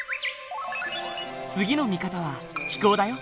次の見方は気候だよ。